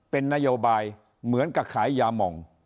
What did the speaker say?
เป็นนโยบายเหมือนกับขายยามอง